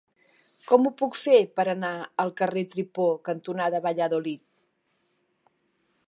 Com ho puc fer per anar al carrer Tripó cantonada Valladolid?